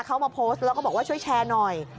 เขามาโพสต์แล้วก็บอกว่าช่วยแชร์หน่อย